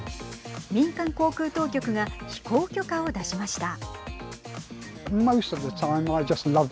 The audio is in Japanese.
民間航空当局が飛行許可を出しました。